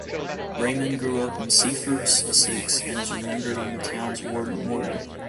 Raymond grew up in Seaford, Sussex, and is remembered on the town's war memorial.